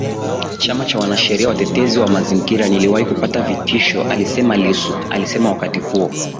Chama cha Wanasheria Watetezi wa Mazingira niliwahi kupata vitisho alisema LissuAlisema wakati huo